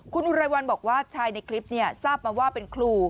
คุณอุไรวันบอกว่าชายในคลิปทราบมาว่าเป็นครู